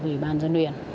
với ủy ban dân huyện